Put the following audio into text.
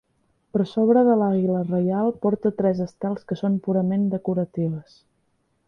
Per sobre de l'àguila reial, porta tres estels que són purament decoratives.